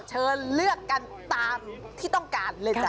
เชิญเลือกกันตามที่ต้องการเลยจ้ะ